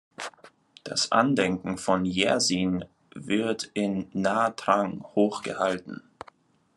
Das Andenken von Yersin wird in Nha Trang hoch gehalten.